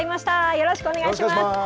よろしくお願いします。